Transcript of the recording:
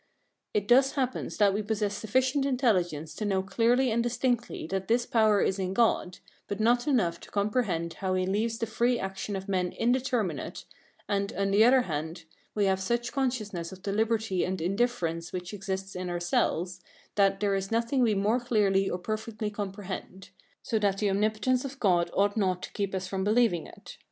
It thus happens that we possess sufficient intelligence to know clearly and distinctly that this power is in God, but not enough to comprehend how he leaves the free actions of men indeterminate} and, on the other hand, we have such consciousness of the liberty and indifference which exists in ourselves, that there is nothing we more clearly or perfectly comprehend: [so that the omnipotence of God ought not to keep us from believing it].